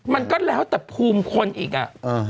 มันก็แล้วแต่ภูมิคนอีกอ่ะ